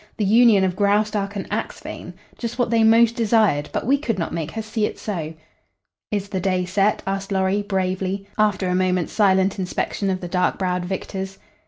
The union of Graustark and Axphain! Just what they most desired, but we could not make her see it so." "Is the day set?" asked Lorry, bravely, after a moments silent inspection of the dark browed victors.